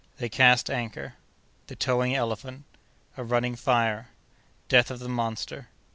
—They cast Anchor.—The Towing Elephant.—A Running Fire.—Death of the Monster.